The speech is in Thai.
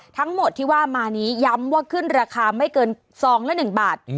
ทั้งหมดที่ว่ามานี้ย้ำว่าขึ้นราคาไม่เกินซองละ๑บาท